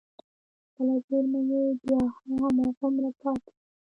خپله زېرمه يې بيا هم هماغومره پاتې وي.